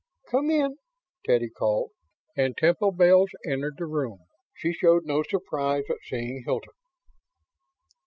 "Come in," Teddy called, and Temple Bells entered the room. She showed no surprise at seeing Hilton.